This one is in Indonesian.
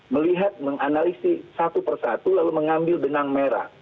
melihat menganalisis satu persatu lalu mengambil benang merah